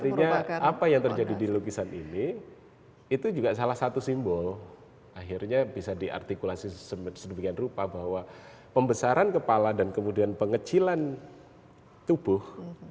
artinya apa yang terjadi di lukisan ini itu juga salah satu simbol akhirnya bisa diartikulasi sedemikian rupa bahwa pembesaran kepala dan kemudian pengecilan tubuh